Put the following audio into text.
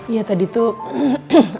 iya tadi tuh